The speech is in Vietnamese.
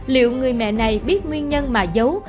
liệu người mẹ này biết nguyên nhân mà giấu